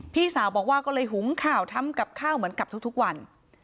พี่สาวบอกว่าก็เลยหุงข้าวทำกับข้าวเหมือนกับทุกวัน